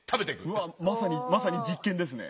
うわっまさにまさに実験ですね。